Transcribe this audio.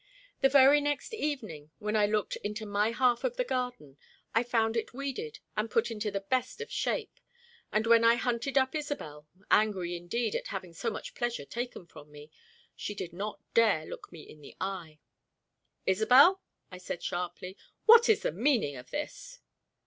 The very next evening, when I looked into my half of the garden, I found it weeded and put into the best of shape, and when I hunted up Isobel, angry indeed at having so much pleasure taken from me, she did not dare look me in the eye. "Isobel," I said sharply, "what is the meaning of this?"